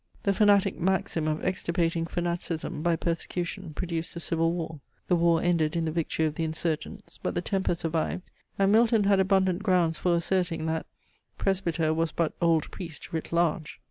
The fanatic maxim of extirpating fanaticism by persecution produced a civil war. The war ended in the victory of the insurgents; but the temper survived, and Milton had abundant grounds for asserting, that "Presbyter was but OLD PRIEST writ large!"